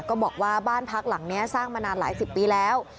บอกว่าบ้านพักหลังนี้สร้างมานานหลายสิบปีแล้ว